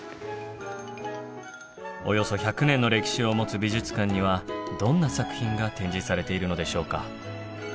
およそ１００年の歴史を持つ美術館にはどんな作品が展示されているのでしょうか。